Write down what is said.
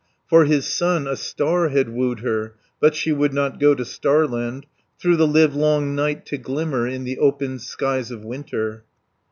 For his son, a Star had wooed her, But she would not go to Starland, 40 Through the livelong night to glimmer, In the open skies of winter.